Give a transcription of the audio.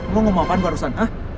lo gak mau apaan barusan